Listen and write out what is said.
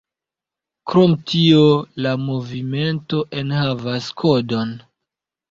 Krom tio la movimento enhavas kodon.